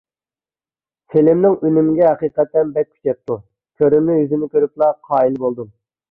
فىلىمنىڭ ئۈنۈمىگە ھەقىقەتەن بەك كۈچەپتۇ، كۆرۈنمە يۈزىنى كۆرۈپلا قايىل بولدۇم.